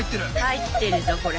入ってるぞこれ。